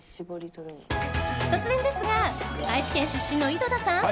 突然ですが愛知県出身の井戸田さん